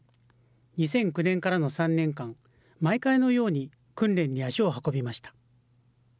２００９年からの３年間、毎回のように訓練に足を運びました。